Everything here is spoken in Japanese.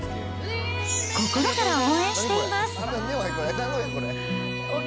心から応援しています。